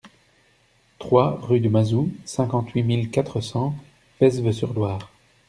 trois rue du Mazou, cinquante-huit mille quatre cents Mesves-sur-Loire